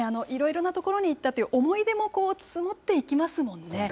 いろいろな所に行ったという思い出も積もっていきますもんね。